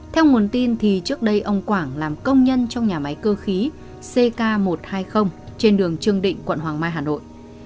theo nguồn tin thì trước đây ông quảng làm công nhân trong nhà máy cơ khí ck một trăm hai mươi trên đường trương định quận hoàng mai hà nội